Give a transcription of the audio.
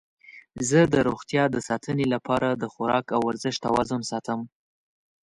زه د روغتیا د ساتنې لپاره د خواراک او ورزش توازن ساتم.